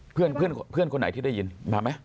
เพื่อนคนไหนที่ได้ยินมาไหม